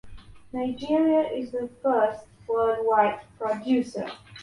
Nigeria is the first worldwide producer.